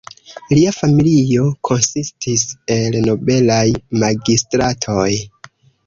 Lia familio konsistis el nobelaj magistratoj.